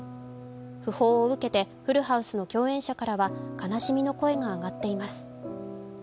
訃報を受けて「フルハウス」の共演者からは悲しみの声が上がっています。